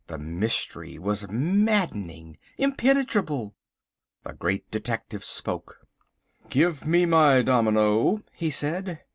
The mystery was maddening, impenetrable. The Great Detective spoke. "Give me my domino," he said.